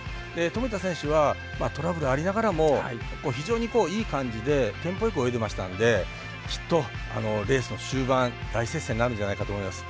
富田選手はトラブルありながらも非常に、いい感じでテンポよく泳いでましたんできっとレースの終盤大接戦になるんじゃないかと思います。